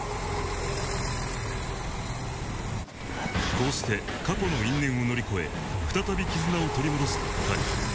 ［こうして過去の因縁を乗り越え再び絆を取り戻した２人］